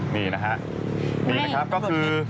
มีนะครับ